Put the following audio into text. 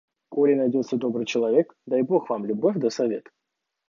Коли найдется добрый человек, дай бог вам любовь да совет.